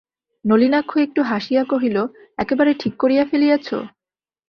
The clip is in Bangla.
নলিনাক্ষ একটু হাসিয়া কহিল, একেবারে ঠিক করিয়া ফেলিয়াছ?